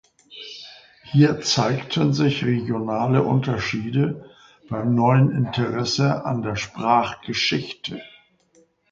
Hier zeigten sich regionale Unterschiede beim neuen Interesse an der Sprachgeschichte.